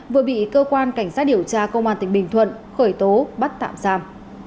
vừa bị cơ quan cảnh sát điều tra công an tỉnh bình thuận khởi tố bắt tạm giam